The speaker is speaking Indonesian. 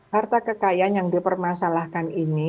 harta kekayaan yang dipermasalahkan ini